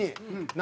何？